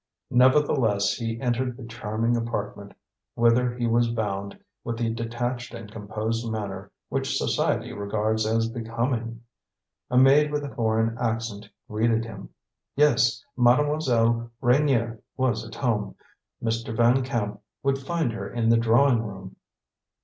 Nevertheless, he entered the charming apartment whither he was bound with the detached and composed manner which society regards as becoming. A maid with a foreign accent greeted him. Yes, Mademoiselle Reynier was at home; Mr. Van Camp would find her in the drawing room.